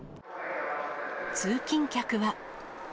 通勤客は。